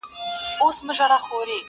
دا مناففت پرېږده کنې نو دوږخي به سي.